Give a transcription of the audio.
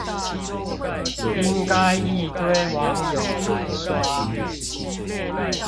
應該一堆網友來刷